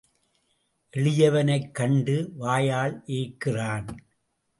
எளியவனைக் கண்டு வாயால் ஏய்க்கிறான்.